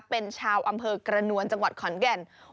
เป็นชาวอำเภอกระนวลจังหวัดขอนแก่น